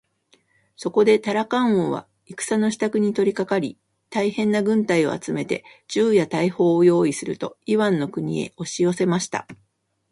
そこでタラカン王は戦のしたくに取りかかり、大へんな軍隊を集めて、銃や大砲をよういすると、イワンの国へおしよせました。